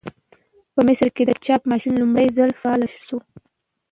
په مصر کې د چاپ ماشین لومړي ځل فعال شو.